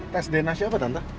tes dna siapa tante